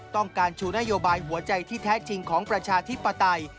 ต้องการชูนโยบายหัวใจที่แท้จริงของประชาธิปไตย